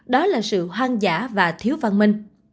đó là sự hoang dã và thiếu văn minh